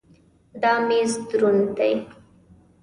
دا مېز دروند دی.